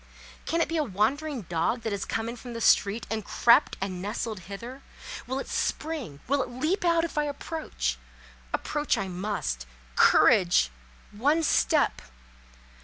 Can it be a wandering dog that has come in from the street and crept and nestled hither? Will it spring, will it leap out if I approach? Approach I must. Courage! One step!